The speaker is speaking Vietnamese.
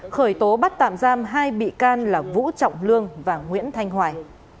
khởi tố bắt tạm giam hai bị can là vũ trọng lương và nguyễn thanh hoài